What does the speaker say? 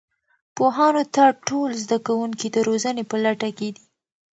پوهانو ته ټول زده کوونکي د روزنې په لټه کې دي.